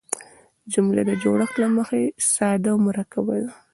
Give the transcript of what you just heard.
جمله د جوړښت له مخه ساده او مرکبه ده.